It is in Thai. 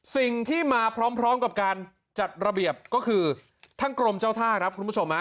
สิ่งที่มาพร้อมกับการจัดระเบียบก็คือทั้งกรมเจ้าท่าครับคุณผู้ชม